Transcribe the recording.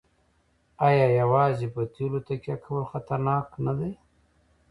آیا یوازې په تیلو تکیه کول خطرناک نه دي؟